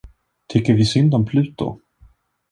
Tycker vi synd om Pluto?